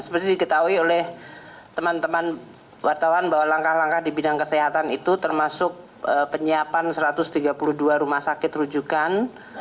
seperti diketahui oleh teman teman wartawan bahwa langkah langkah di bidang kesehatan itu termasuk penyiapan satu ratus tiga puluh dua rumah sakit rujukan